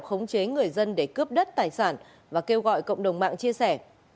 khống chế người dân để cướp đất tài sản và kêu gọi cộng đồng mạng chia sẻ